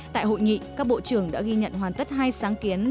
tại hội nghị các bộ trưởng đã ghi nhận hoàn tất hai sáng kiến